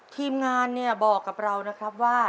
ทีมงานเนี่ยบอกกับเรานะครับว่า